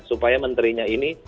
supaya menterinya ini